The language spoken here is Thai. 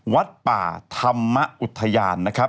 วัดป่าธรรมอุทยานนะครับ